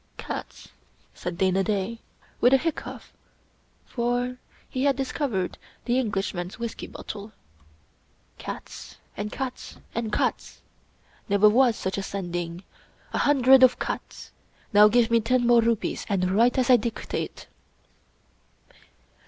" Cats," said Dana Da, with a hiccough, for he had dis covered the Englishman's whisky bottle. " Cats and cats 23 English Mystery Stories and cats ! Never was such a Sending. A hundred of cats. Now give me ten more rupees and write as I dictate."